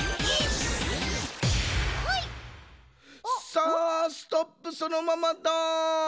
さあストップそのままだ。